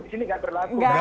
di sini nggak berlaku